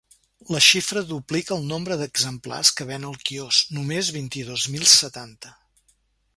La xifra duplica el nombre d’exemplars que ven al quiosc, només vint-i-dos mil setanta.